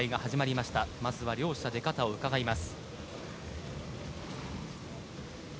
まずは両者出方をうかがいます。